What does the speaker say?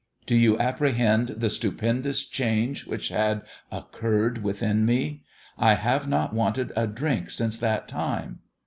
Do you apprehend the stupendous change which had occurred within me ?/ have not wanted a drink since that time